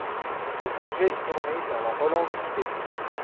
Ce budget est tourné vers la relance du pays.